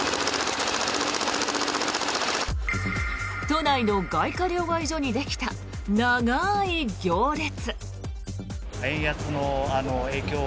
都内の外貨両替所にできた長い行列。